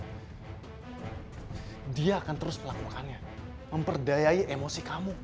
dia akan terus melakukannya memperdayai emosi kamu